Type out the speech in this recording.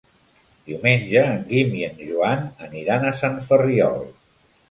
Diumenge en Guim i en Joan aniran a Sant Ferriol.